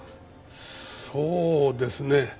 そうですね。